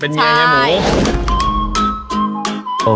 เป็นเมียเฮียหมู